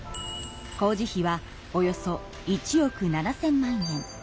工事費はおよそ１億７，０００万円。